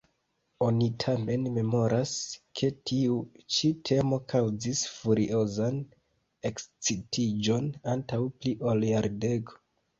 Oni tamen memoras, ke tiu ĉi temo kaŭzis furiozan ekscitiĝon antaŭ pli ol jardeko.